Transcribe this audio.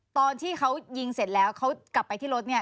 ตอนที่เขายิงเสร็จแล้วเขากลับไปที่รถเนี่ย